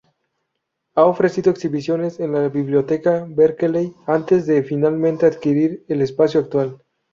Ha ofrecido exhibiciones en la biblioteca Berkeley antes de finalmente adquirir el espacio actual.